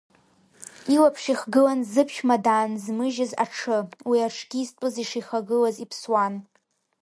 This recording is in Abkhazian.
Илаԥш ихгылан зыԥшәма даанзмыжьыз аҽы, уи аҽгьы изтәыз ишихагылаз иԥсуан…